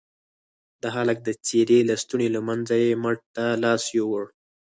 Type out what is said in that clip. د هلك د څيرې لستوڼي له منځه يې مټ ته لاس يووړ.